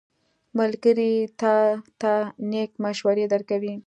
ملګری تا ته نېک مشورې درکوي.